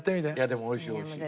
でもおいしいおいしい。